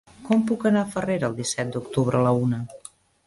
Com puc anar a Farrera el disset d'octubre a la una?